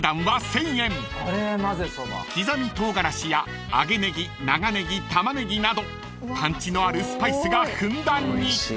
［刻み唐辛子や揚げネギ長ネギタマネギなどパンチのあるスパイスがふんだんに］